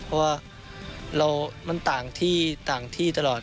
เพราะว่ามันต่างที่ตลอด